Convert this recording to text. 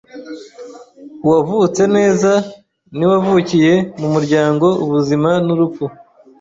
u wavutse neza niwavukiye mu muryango Ubuzima n'urupfu.